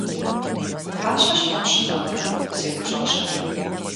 – Фащэ щхьэ пщымыгърэ? – сеупщӀащ абы.